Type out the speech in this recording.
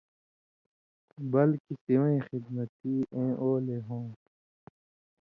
بلکےۡ سِوَیں خِدمتی اېں اولے ہوں تھہ۔